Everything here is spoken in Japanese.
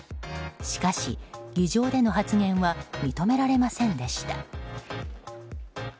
しかし、議場での発言は認められませんでした。